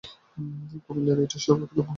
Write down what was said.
কুমিল্লায় এটিই সর্বপ্রথম মহিলা মাদ্রাসা।